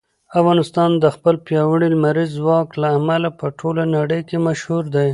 افغانستان د خپل پیاوړي لمریز ځواک له امله په ټوله نړۍ کې مشهور دی.